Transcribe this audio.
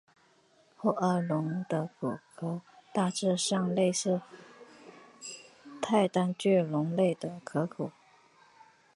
后凹尾龙的骨骸大致上类似泰坦巨龙类的骨骸。